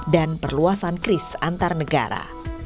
dan perluasan kris antar negara